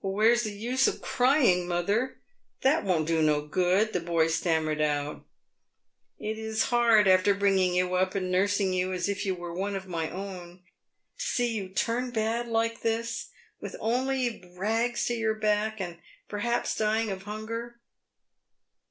" "Where's the use of crying, mother ? That won't do no good," the boy stammered out. " It is hard, after bringing you up and nursing you as if you were one of my own, to see you turn bad like this, with only rags to your back, and perhaps dying of hunger."